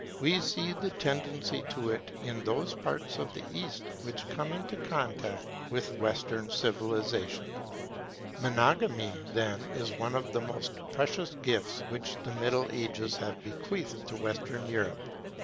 We see the tendency to it in those parts of the East which come into contact with Western civilization. Monogamy, then, is one of the most precious gifts which the Middle Ages have bequeathed to Western Europe.